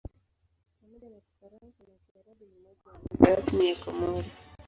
Pamoja na Kifaransa na Kiarabu ni moja ya lugha rasmi ya Komori.